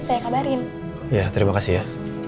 saya kabarin ya terima kasih ya